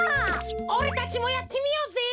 おれたちもやってみようぜ。